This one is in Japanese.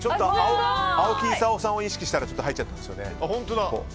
青木功さんを意識したら入っちゃったんですよね。